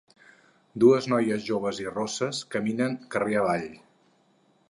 Dues noies joves i rosses caminen carrer avall.